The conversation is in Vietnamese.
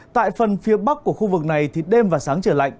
tại phần phía bắc của khu vực này thì đêm và sáng trời lạnh